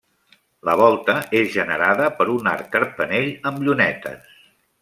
La volta és generada per un arc carpanell, amb llunetes.